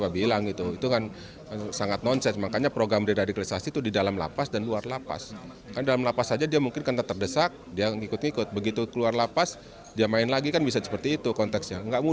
bapak komjen paul soehardi alius